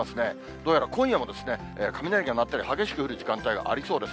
どうやら今夜も、雷が鳴ったり、激しく降る時間帯がありそうです。